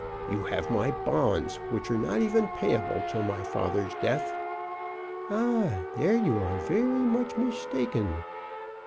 You have my bonds, which are not even payable till my father's death." "Ah, there you are very much mistaken."